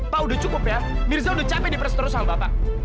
pak udah cukup ya mirza udah capek di perusahaan bapak